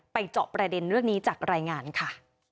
เจาะประเด็นเรื่องนี้จากรายงานค่ะ